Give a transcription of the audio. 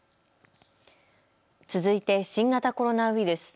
続いて新型コロナウイルス。